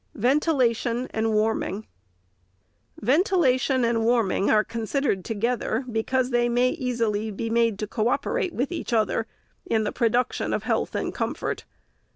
VENTILATION AND WARMING. Ventilation and warming are considered together, be cause they may be easily made to co operate with each other in the production of health and comfort.